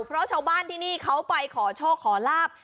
เพราะชาวบ้านที่นี่เขาไปขอโชคขอลาบ